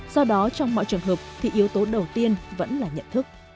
do đó trong mọi trường hợp thì yếu tố đầu tiên vẫn là nhận thức